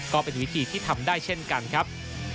ก็เป็นวิธีที่ทำได้เช่นกันครับ